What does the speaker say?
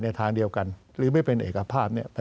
ในทางเดียวกันหรือไม่เป็นเอกภาพ